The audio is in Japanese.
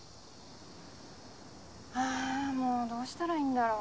あもうどうしたらいいんだろう。